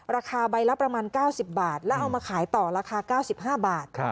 ราคาใบละประมาณ๙๐บาทแล้วเอามาขายต่อราคา๙๕บาท